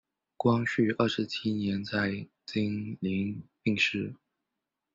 光绪二十七年在经岭病逝。